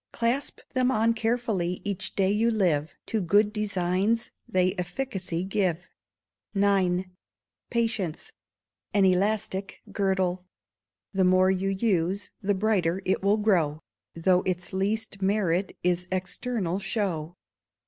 _ Clasp them on carefully each day you live, To good designs they efficacy give. ix. Patience An Elastic Girdle. The more you use the brighter it will grow, Though its least merit is external show.